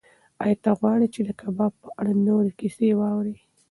ایا ته غواړې چې د کباب په اړه نورې کیسې واورې؟